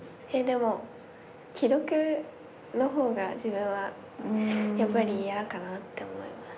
でも既読の方が自分はやっぱり嫌かなって思います。